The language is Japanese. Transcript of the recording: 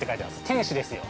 天使ですよ。